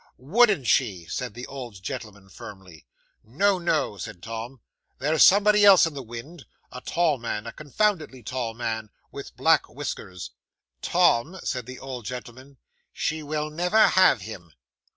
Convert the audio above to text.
'"Wouldn't she?" said the old gentleman firmly. '"No, no," said Tom; "there's somebody else in the wind. A tall man a confoundedly tall man with black whiskers." '"Tom," said the old gentleman; "she will never have him."